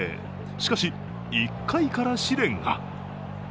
しかし、１回から試練が。